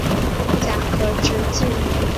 甲壳直径。